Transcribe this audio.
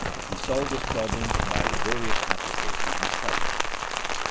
He solved his problems by laborious application and study.